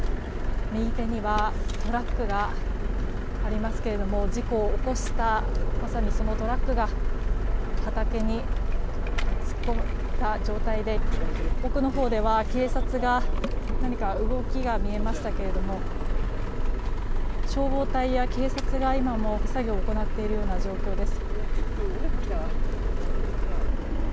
右手にはトラックがありますが事故を起こしたまさに、そのトラックが畑に突っ込んだ状態で奥のほうでは警察が何か動きが見えましたが消防隊や警察が、今も作業を行っているような状況です。